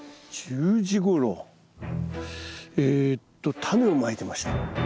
１０時ごろえっとタネをまいてました。